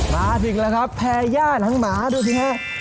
มาอีกแล้วครับแพร่ย่านทั้งหมาดูสิครับ